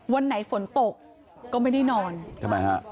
วันไหนฝนตกก็ไม่ได้นอนทำไมฮะ